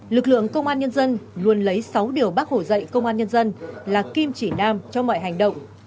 lực lượng công an nhân dân luôn lấy sáu điều bác hồ dạy công an nhân dân là kim chỉ nam cho mọi hành động